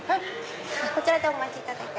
こちらでお待ちいただいて。